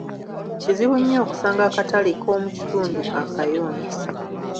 Kizibu nnyo okusanga akatale k'omu kitundu akayonjo.